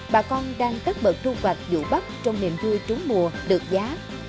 bà con đang cất bợt thu hoạch dụ bắp trong niềm vui trúng mùa được giá